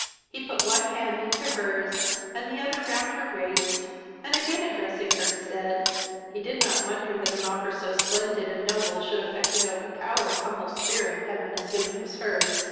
He put one hand into her's, and the other round her waist, and again addressing her, said, "He did not wonder that an offer so splendid and noble should affect and overpower a spirit humble and unassuming as her's.